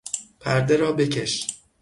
پرده را بکش!